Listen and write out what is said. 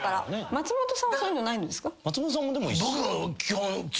松本さんはそういうのないんですか？